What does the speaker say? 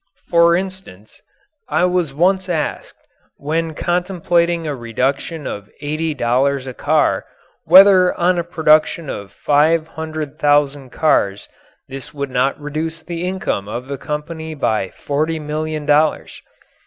For instance, I was once asked, when contemplating a reduction of eighty dollars a car, whether on a production of five hundred thousand cars this would not reduce the income of the company by forty million dollars.